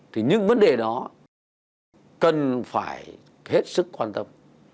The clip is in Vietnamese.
thì những vấn đề đó cần phải hết sức quan tâm